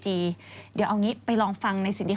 เดี๋ยวเอาอย่างนี้ไปลองฟังในสินดี